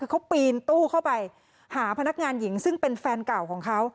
คือเขาปีนตู้เข้าไปหาพนักงานหญิงซึ่งเป็นแฟนเก่าของเขา